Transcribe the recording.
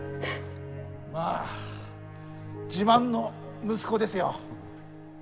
まあ自慢の息子ですよ。